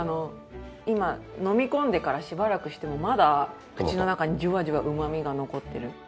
今飲み込んでからしばらくしてもまだ口の中にジュワジュワ旨味が残ってる。